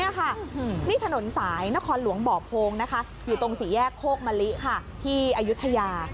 นี่ค่ะนี่ถนนสายนครหลวงบ่อโพงนะคะอยู่ตรงสี่แยกโคกมะลิค่ะที่อายุทยา